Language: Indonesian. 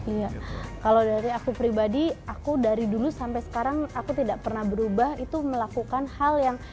iya kalau dari aku pribadi aku dari dulu sampai sekarang aku tidak pernah berubah itu melakukan hal yang